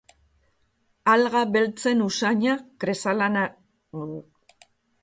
Alga beltzen usaina, kresalarenarekin batera.